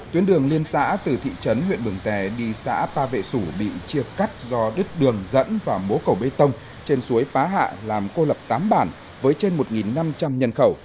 tuyến đường liên xã từ thị trấn huyện mường tè đi xã pa vệ sủ bị chia cắt do đứt đường dẫn và mố cầu bê tông trên suối pá hạ làm cô lập tám bản với trên một năm trăm linh nhân khẩu